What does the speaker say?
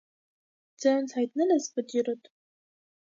ձերոնց հայտնե՞լ ես վճիռդ: